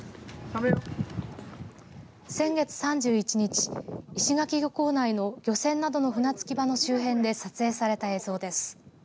先月３１日石垣漁港内の漁船などの船着き場の周辺で撮影された映像です。